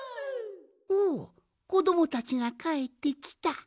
おおこどもたちがかえってきた。